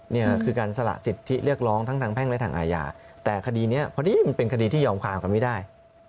นี่คือการสละสิทธิเรียกร้องทั้งทางแพ่งและทางอาญาแต่คดีนี้พอดีมันเป็นคดีที่ยอมความกันไม่ได้